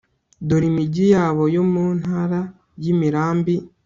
dore imigi yabo yo mu ntara y'imirambi